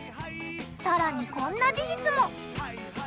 さらにこんな事実も！